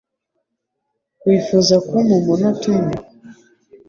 Wifuza kumpa umunota umwe?